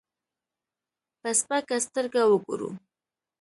په سپکه سترګه وګورو.